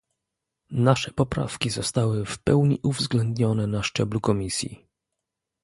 Nasze poprawki zostały w pełni uwzględnione na szczeblu komisji